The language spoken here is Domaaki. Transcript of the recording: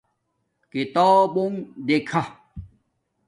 کتابونݣ دیکھہ